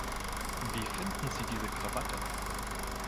Wie finden Sie diese Krawatte?